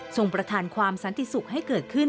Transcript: ประธานความสันติสุขให้เกิดขึ้น